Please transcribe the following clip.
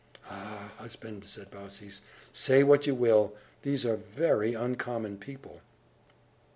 "Ah, husband," said Baucis, "say what you will, these are very uncommon people."